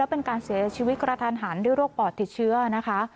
เป็นการเสียชีวิตกระทันหันด้วยโรคปอดติดเชื้อนะคะ